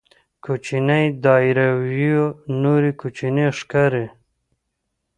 کوچنيې داراییو نورې کوچنۍ ښکاري.